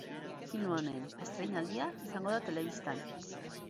Film honen estreinaldia izango da telebistan.